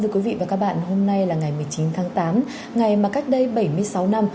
thưa quý vị và các bạn hôm nay là ngày một mươi chín tháng tám ngày mà cách đây bảy mươi sáu năm